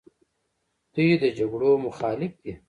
دوی د جګړو مخالف دي.